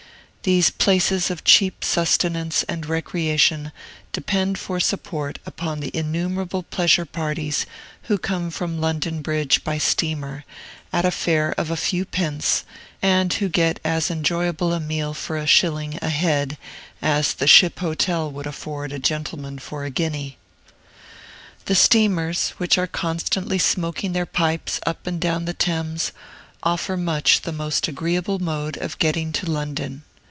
These places of cheap sustenance and recreation depend for support upon the innumerable pleasure parties who come from London Bridge by steamer, at a fare of a few pence, and who get as enjoyable a meal for a shilling a head as the Ship Hotel would afford a gentleman for a guinea. The steamers, which are constantly smoking their pipes up and down the Thames, offer much the most agreeable mode of getting to London.